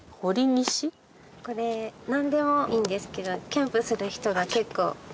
これ何でもいいんですけどキャンプする人が結構。